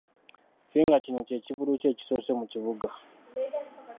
Finger kino ky'ekivvulu kye ekisoose mu kibuga.